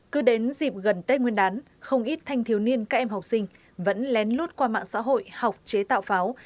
cứ đến dịp gần tết nguyên đán không ít thanh thiếu niên các em học sinh vẫn lén lút qua mạng xã hội học chế tạo pháo